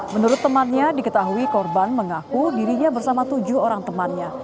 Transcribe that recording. menurut temannya diketahui korban mengaku dirinya bersama tujuh orang temannya